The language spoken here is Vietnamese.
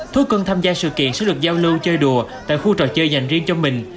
thuốc cưng tham gia sự kiện sẽ được giao lưu chơi đùa tại khu trò chơi dành riêng cho mình